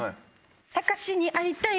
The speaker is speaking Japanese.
たかしに会いたい！